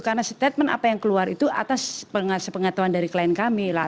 karena statement apa yang keluar itu atas pengatuan dari klien kami lah